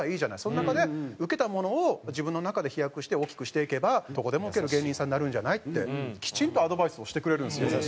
「その中でウケたものを自分の中で飛躍して大きくしていけばどこでもウケる芸人さんになるんじゃない？」ってきちんとアドバイスをしてくれるんですよ。